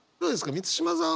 満島さん。